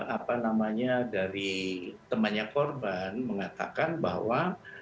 apa namanya dari temannya korban mengatakan bahwa